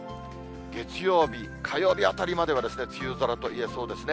月曜日、火曜日あたりまでは梅雨空といえそうですね。